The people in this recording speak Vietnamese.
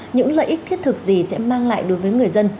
những lợi ích thiết thực gì sẽ mang lại đối với người dân